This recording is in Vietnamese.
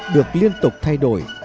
được liên tục thay đổi